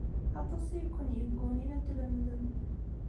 Aṭas ay ken-yeggunin ad t-tlemdem.